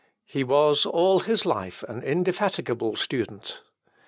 He was all his life an indefatigable student.